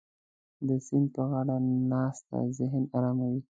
د سیند په غاړه ناسته ذهن اراموي.